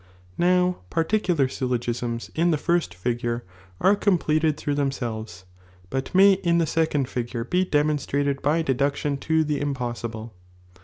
Now, particular syllogisms in the first figure ere com l pleted through themselves, but may in the second figure bft '| demonslraied by deduction to the impossible.